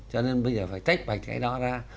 cho nên bây giờ phải tách bạch cái đó ra